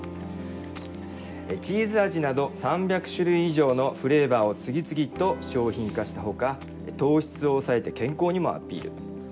チーズ味など３００種類以上のフレーバーを次々と商品化したほか糖質を抑えて健康にもアピール。